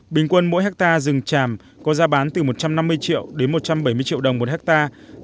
bình quân mỗi hectare rừng tràm có giá bán từ một trăm năm mươi triệu đến một trăm bảy mươi triệu đồng một hectare